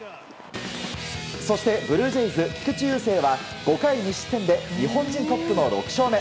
そして、ブルージェイズ菊池雄星は５回無失点で日本人トップの６勝目。